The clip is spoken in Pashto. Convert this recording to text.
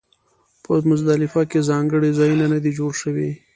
په مزدلفه کې ځانګړي ځایونه نه دي جوړ شوي.